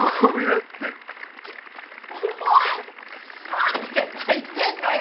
何で泣いてんだよ！